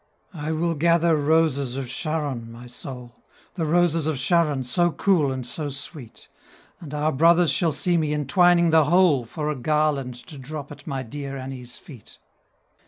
"I will gather Roses of Sharon, my Soul, The Roses of Sharon so cool and so sweet; And our brothers shall see me entwining the whole For a garland to drop at my dear Annie's feet."